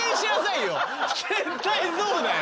絶対そうだよ。